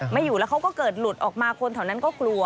ไม่อยู่แล้วเขาก็เกิดหลุดออกมาคนแถวนั้นก็กลัว